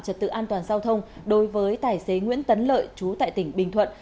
trật tự an toàn giao thông đối với tài xế nguyễn tấn lợi chú tại tỉnh bình thuận